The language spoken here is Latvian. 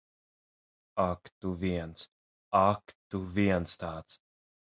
Ak tu viens. Ak, tu viens tāds!